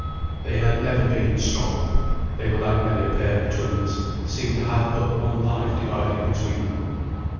They had never been strong. They were like many a pair of twins, and seemed to have but one life divided between them.